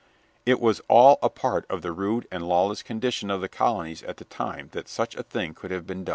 It was all a part of the rude and lawless condition of the colonies at the time that such a thing could have been done.